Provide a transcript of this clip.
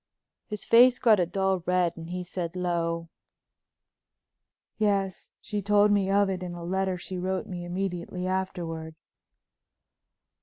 His face got a dull red and he said low. "Yes, she told me of it in a letter she wrote me immediately afterward."